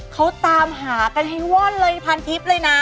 เขาตามหากันให้ว่อนเลยพันทิพย์เลยนะ